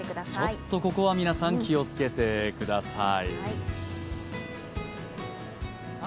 ちょっと午後は皆さん、気をつけてください。